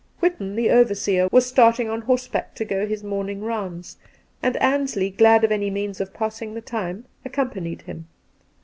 Whitton, the overseer, was starting on horseback to go his morning rounds, and Ansley, glad of any means of passing the time, accompanied him.